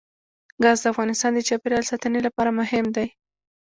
ګاز د افغانستان د چاپیریال ساتنې لپاره مهم دي.